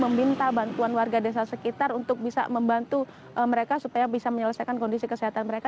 meminta bantuan warga desa sekitar untuk bisa membantu mereka supaya bisa menyelesaikan kondisi kesehatan mereka